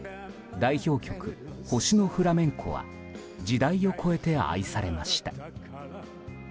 代表曲「星のフラメンコ」は時代を超えて愛されました。